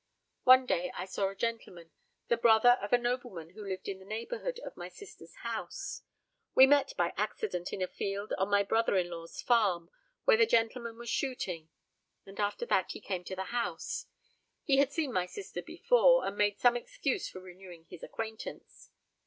One day I saw a gentleman, the brother of a nobleman who lived in the neighbourhood of my sister's house. We met by accident in a field on my brother in law's farm, where the gentleman was shooting; and after that he came to the house. He had seen my sister before, and made some excuse for renewing his acquaintance.